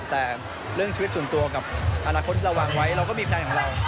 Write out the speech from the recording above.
แต่เรื่องชีวิตส่วนตัวกับอนาคตที่เราวางไว้เราก็มีแพลนของเรา